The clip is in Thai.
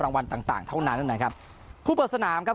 วันต่างต่างเท่านั้นนะครับคู่เปิดสนามครับ